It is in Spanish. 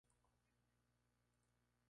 Sus ojos son grandes y color marrón oscuro.